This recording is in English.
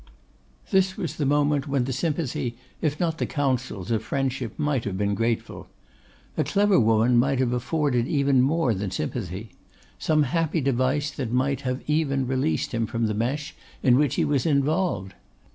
This was the moment when the sympathy, if not the counsels, of friendship might have been grateful. A clever woman might have afforded even more than sympathy; some happy device that might have even released him from the mesh in which he was involved.